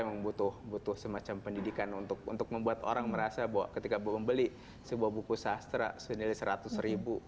memang butuh semacam pendidikan untuk membuat orang merasa bahwa ketika membeli sebuah buku sastra senilai seratus ribu